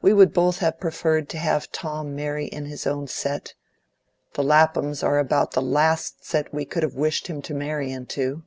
We would both have preferred to have Tom marry in his own set; the Laphams are about the last set we could have wished him to marry into.